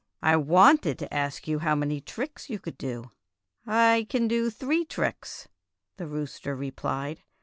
I wanted to ask you how many tricks you could do." "I can do three tricks," the rooster re plied.